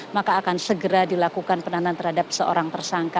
maka akan segera dilakukan penahanan terhadap seorang tersangka